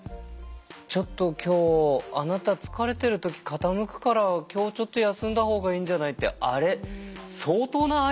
「ちょっと今日あなた疲れてる時傾くから今日ちょっと休んだほうがいいんじゃない」ってあれ相当な愛だと思うのよ。